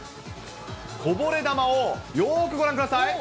こぼれ球を、よーくご覧ください。